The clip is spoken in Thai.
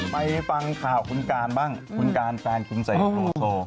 ไปฟังข่าวคุณการบ้างคุณการแฟนคุณเสกโลโซ